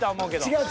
違う。